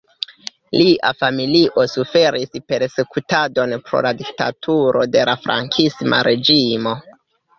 Lia familio suferis persekutadon pro la diktaturo de la frankisma reĝimo.